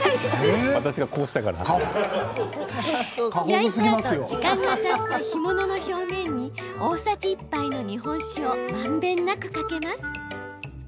焼いたあと時間がたった干物の表面に大さじ１杯の日本酒をまんべんなくかけます。